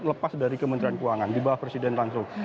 lepas dari kementerian keuangan di bawah presiden langsung